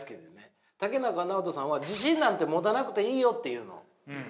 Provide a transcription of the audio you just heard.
竹中直人さんは「自信なんて持たなくていいよ」って言うの。